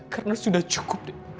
karena sudah cukup deh